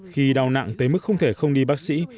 khi đau nặng tới mức không thể không đi bác sĩ